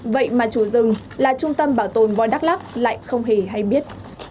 vậy mà chủ rừng là trung tâm bảo tồn voi đắk lắc lại không hề hay biết